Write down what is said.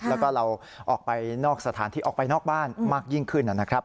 แล้วก็เราออกไปนอกสถานที่ออกไปนอกบ้านมากยิ่งขึ้นนะครับ